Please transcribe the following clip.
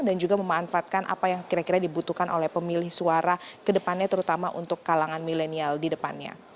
dan juga memanfaatkan apa yang kira kira dibutuhkan oleh pemilih suara ke depannya terutama untuk kalangan milenial di depannya